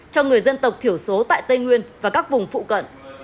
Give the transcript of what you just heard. cho người dân tộc thiểu số tại tây nguyên và các vùng phụ cận